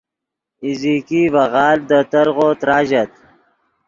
ایزیکی ڤے غالڤ دے ترغو تراژت